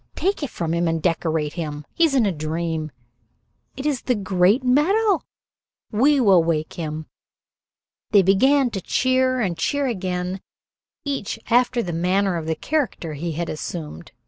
Take it from him and decorate him. He is in a dream. It is the great medal. We will wake him." They began to cheer and cheer again, each after the manner of the character he had assumed.